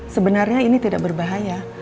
sebenarnya ini tidak berbahaya